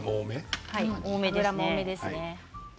多めですね。